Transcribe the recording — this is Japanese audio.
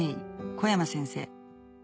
小山先生